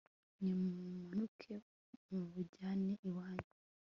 nimumanuke mubujyane iwanyu